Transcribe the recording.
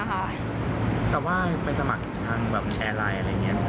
แต่ว่าไปสมัครทางแบบแอร์ไลน์อะไรอย่างนี้